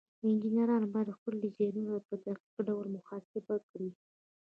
انجینران باید خپل ډیزاینونه په دقیق ډول محاسبه کړي.